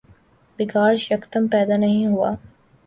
بگاڑ یکدم پیدا نہیں ہوا۔